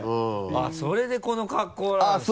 それでこの格好なんですね。